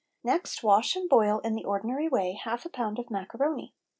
Next wash and boil in the ordinary way half a pound of macaroni.